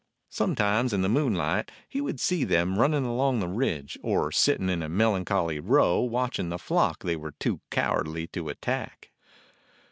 Sometimes in the moonlight he would see them running along a ridge, or sitting in a melan choly row watching the flock they were too cowardly to attack.